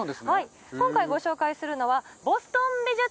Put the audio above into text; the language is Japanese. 今回ご紹介するのは。